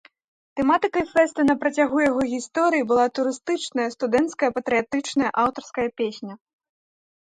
Тэматыкай фэсту на працягу яго гісторыі была турыстычная, студэнцкая, патрыятычная, аўтарская песня.